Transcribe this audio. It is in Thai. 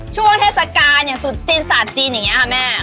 ช่วงเทศกาตรุษจีนศาสตร์จีนอย่างเงี้ยค่ะแม่